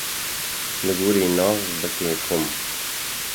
Li gorî nav bike kom.